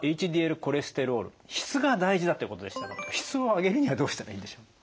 コレステロール質が大事だっていうことでしたが質をあげるにはどうしたらいいんでしょう？